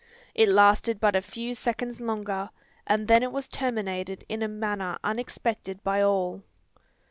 It lasted but a few seconds longer; and then was it terminated in a manner unexpected by all.